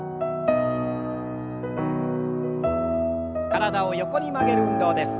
体を横に曲げる運動です。